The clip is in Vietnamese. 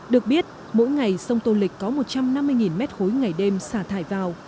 được biết mỗi ngày sông tô lịch có một trăm năm mươi m ba ngày đêm xả thải vào